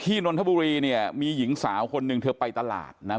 นนทบุรีเนี่ยมีหญิงสาวคนหนึ่งเธอไปตลาดนะ